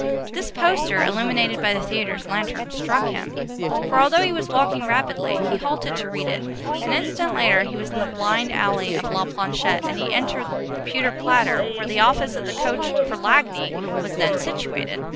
This poster, illuminated by the theatre lanterns, struck him; for, although he was walking rapidly, he halted to read it. An instant later he was in the blind alley of La Planchette, and he entered the Plat d'Etain [the Pewter Platter], where the office of the coach for Lagny was then situated.